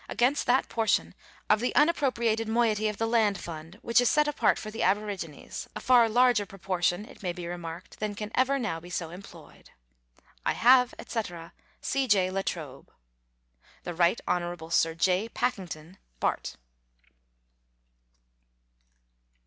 269' against that portion of the unappropriated moiety of the land fund, which is set apart for the aborigines, a far larger proportion, it may be remarked, than can ever now be so employed. I have, &c., C. J. LA TROBE. The Right Honorable Sir J. Pakington, Bart.